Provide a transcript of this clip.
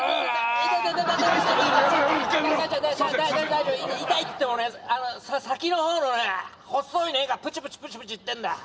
大丈夫大丈夫痛いっていってもね先の方のね細い根がプチプチプチプチいってんだよ